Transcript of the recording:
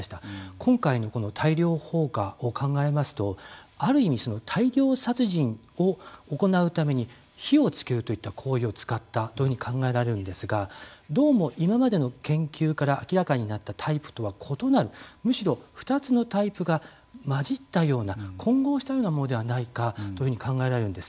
今回の大量放火を考えますとある意味、大量殺人を行うために火をつけるといった行為を使ったというふうに考えられるんですがどうも今までの研究から明らかになったタイプとは異なる、むしろ２つのタイプがまじったような混合したようなものではないかというふうに考えられるんです。